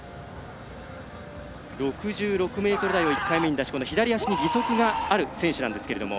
６６ｍ台を１回目に出した左足に義足がある選手なんですが。